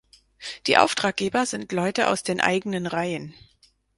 Die Auftraggeber sind Leute aus den eigenen Reihen.